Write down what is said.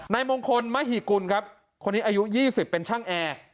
นายมงคลมหิกุลครับคนนี้อายุ๒๐เป็นช่างแอร์